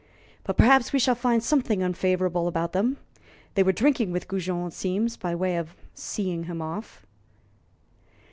But perhaps we shall find something unfavorable about them. They were drinking with Goujon, it seems, by way of 'seeing him off.'"